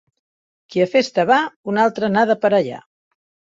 Qui a festa va, una altra n'ha d'aparellar.